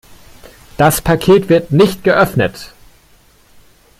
Das Paket wird nicht geöffnet.